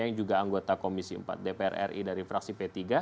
yang juga anggota komisi empat dpr ri dari fraksi p tiga